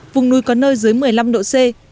vùng núi có nơi dưới một mươi năm độ c